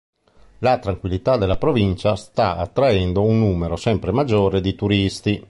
La tranquillità della provincia sta attraendo un numero sempre maggiore di turisti.